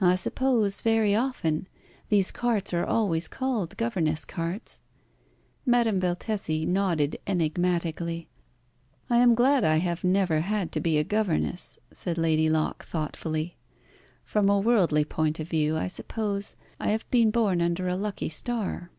"I suppose very often. These carts are always called governess carts." Madame Valtesi nodded enigmatically. "I am glad I have never had to be a governess," said Lady Locke thoughtfully. "From a worldly point of view, I suppose I have been born under a lucky star."